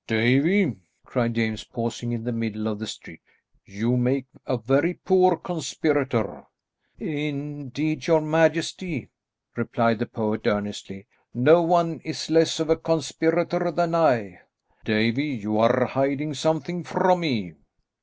"Davie," cried James, pausing in the middle of the street, "you make a very poor conspirator." "Indeed, your majesty," replied the poet earnestly, "no one is less of a conspirator than I." "Davie, you are hiding something from me."